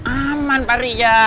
aman pak rija